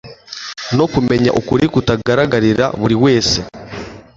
no kumenya ukuri kutagaragarira buri wese